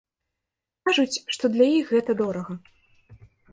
Кажуць, што для іх гэта дорага.